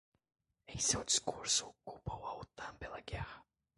Em seu discurso, culpou a Otan pela guerra